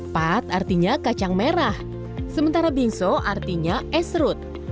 pat artinya kacang merah sementara binso artinya esrut